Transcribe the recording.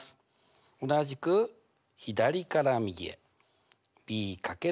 同じく左から右へ。